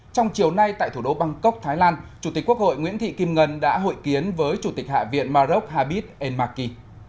trong chiều nay tại thủ đô bangkok thái lan chủ tịch quốc hội nguyễn thị kim ngân đã hội kiến với chủ tịch hạ viện maroc habit enmaki